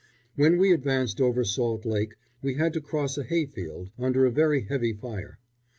When we advanced over Salt Lake we had to cross a hayfield, under a very heavy fire.